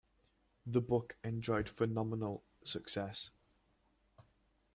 The book enjoyed phenomenal success.